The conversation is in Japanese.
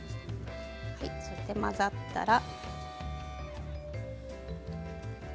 それで混ざったら。